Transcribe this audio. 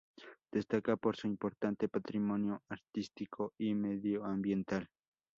Destaca por su importante patrimonio artístico y medioambiental.